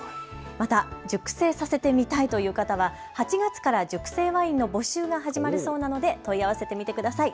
また熟成させてみたいという方は８月から熟成ワインの募集が始まるそうなので問い合わせてみてください。